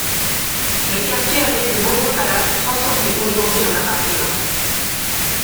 Le quartier abrite de nombreux palaces, transformés aujourd’hui en appartements.